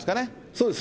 そうです。